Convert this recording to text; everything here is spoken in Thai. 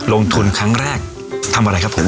ลงทุนครั้งแรกทำอะไรครับผม